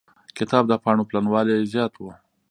کتاب د پاڼو پلنوالی يې زيات و.